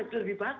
itu lebih baik